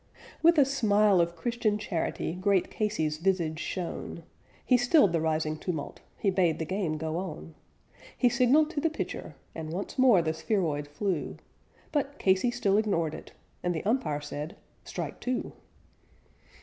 With a smile of Christian charity great Casey's visage shone; He stilled the rising tumult; he bade the game go on; He signaled to the pitcher, and once more the spheroid flew, But Casey still ignored it; and the umpire said, "Strike two."